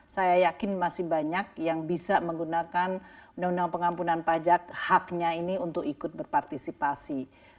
saya yakin masih banyak yang bisa menggunakan undang undang pengampunan pajak haknya ini untuk ikut berpartisipasi